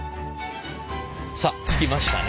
さあ着きましたね。